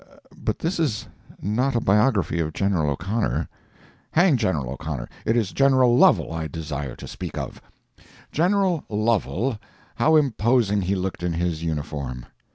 But this is not a biography of General O'Connor. Hang General O'Connor! It is General Lovel I desire to speak of. General Lovel—how imposing he looked in his uniform!